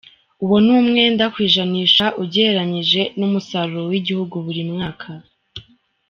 Uwo ni umwenda ku ijanisha ugeranije n’umusaruro w’igihugu buri mwaka.